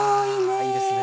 あいいですね。